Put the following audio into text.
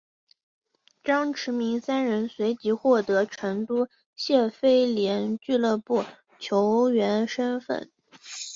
张池明三人随即获得成都谢菲联俱乐部球员身份。